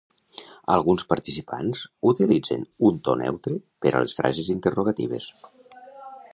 Alguns participants utilitzen un to neutre per a les frases interrogatives.